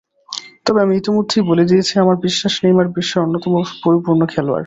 তবে আমি ইতিমধ্যেই বলে দিয়েছি, আমার বিশ্বাস, নেইমার বিশ্বের অন্যতম পরিপূর্ণ খেলোয়াড়।